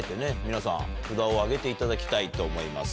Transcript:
皆さん札を上げていただきたいと思います。